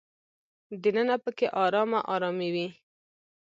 دننه په کې ارامه ارامي وي.